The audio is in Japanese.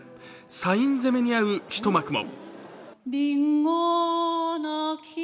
サイン攻めにあう一幕も。